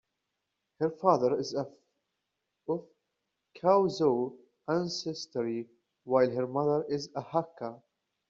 Her father is of Chaozhou ancestry while her mother is a Hakka.